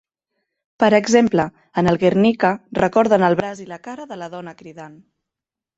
Per exemple, en el Guernica, recorden al braç i la cara de la dona cridant.